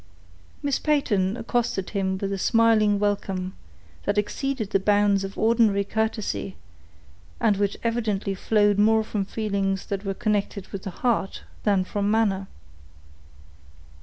Miss Peyton accosted him with a smiling welcome, that exceeded the bounds of ordinary courtesy and which evidently flowed more from feelings that were connected with the heart, than from manner.